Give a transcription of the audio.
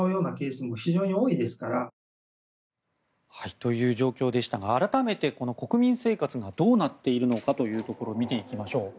という状況でしたが改めて、国民生活がどうなっているのかを見ていきましょう。